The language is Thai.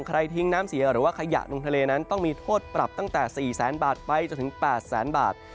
ใครทิ้งน้ำเสียหรือขยะดังทะเลต้องมีโทษปรับตั้งแต่๔๐๐๐๐๐บาทจนถึง๘๐๐๐๐๐บาท